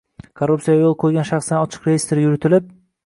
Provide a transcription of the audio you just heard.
Korrupsiyaga yo‘l qo‘ygan shaxslarning ochiq reestri yuritilib